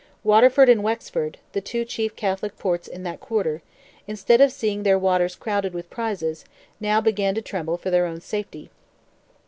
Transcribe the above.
Waterford and Wexford—the two chief Catholic ports in that quarter—instead of seeing their waters crowded with prizes, now began to tremble for their own safety.